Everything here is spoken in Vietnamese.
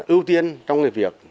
ưu tiên trong việc